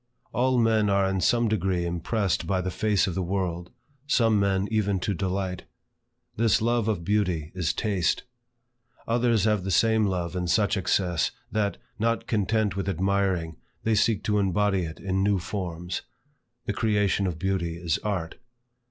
All men are in some degree impressed by the face of the world; some men even to delight. This love of beauty is Taste. Others have the same love in such excess, that, not content with admiring, they seek to embody it in new forms. The creation of beauty is Art.